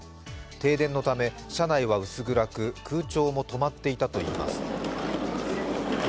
停電のため車内は薄暗く空調も止まっていたといいます。